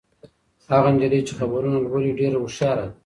هغه نجلۍ چې خبرونه لولي ډېره هوښیاره ده.